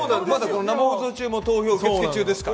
生放送中も投票受け付け中ですから。